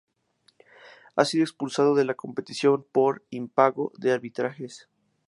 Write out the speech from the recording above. Ha sido expulsado de la competición por impago de arbitrajes.